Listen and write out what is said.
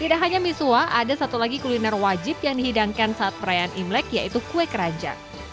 tidak hanya misua ada satu lagi kuliner wajib yang dihidangkan saat perayaan imlek yaitu kue keranjang